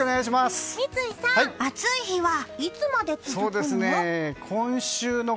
三井さん暑い日はいつまで続くの？